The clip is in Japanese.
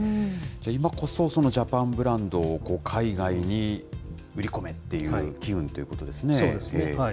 今こそジャパンブランドを海外に売り込めっていう機運というそうですね。